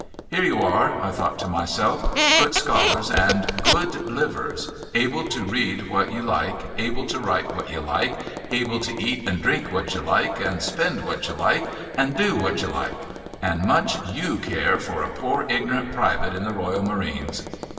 ' Here you are,' I thought to myself, ' good scholars and good livers ; able to read what you like, able to write what you like, able to eat and drink what you like, and spend what you like, and do what you like ; and much you care for a poor, ignorant Private in the Royal Marines